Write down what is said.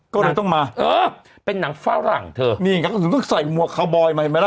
ก็เลยต้องมาเออเป็นนางฝ้าหลังเถอะนี่ก็ต้องใส่มัวคาวบอยใหม่ไหมล่ะ